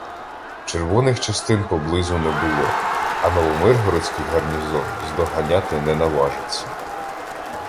Червоних частин поблизу не було, а новомиргородський гарнізон здоганяти не наважиться.